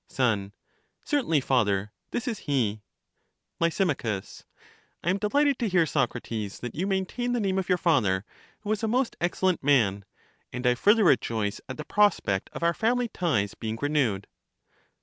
Son, Certainly, father, this is he. Lys, I am delighted to hear, Socrates, that you maintain the name of your father, who was a most excellent man; and I further rejoice at the prospect of our family ties being renewed.